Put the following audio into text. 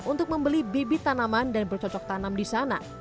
untuk membeli bibit tanaman dan bercocok tanam di sana